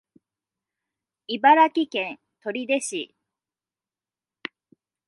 茨城県取手市